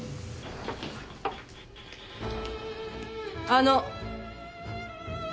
あの。